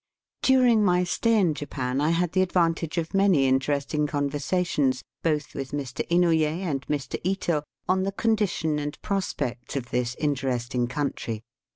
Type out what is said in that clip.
DuBiNG my stay in Japan, I had the advantage of many interesting conversations, both with Mr. Inouye and Mr. Ito, on the condition and prospects of this interesting country.